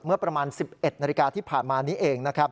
เมื่อประมาณ๑๑นาฬิกาที่ผ่านมานี้เองนะครับ